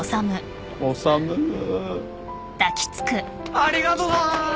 ありがとな！